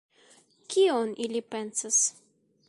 Kion ili pensas?